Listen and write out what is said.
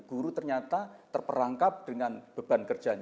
guru ternyata terperangkap dengan beban kerjanya